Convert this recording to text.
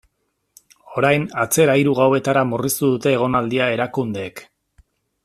Orain, atzera hiru gauetara murriztu dute egonaldia erakundeek.